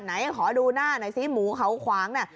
ไหนขอดูหน้าหน่อยซิหมูเขาขวางน่ะ